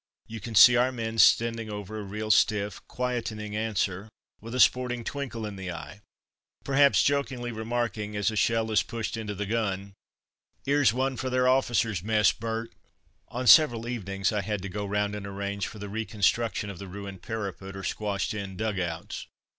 You can see our men sending over a real stiff, quietening answer, with a sporting twinkle in the eye, perhaps jokingly remarking, as a shell is pushed into the gun, "'Ere's one for their Officers' Mess, Bert." On several evenings I had to go round and arrange for the reconstruction of the ruined parapet or squashed in dug outs.